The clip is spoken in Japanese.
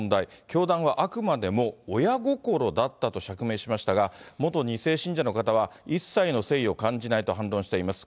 教団はあくまでも親心だったと釈明しましたが、元２世信者の方は、一切の誠意を感じないと反論しています。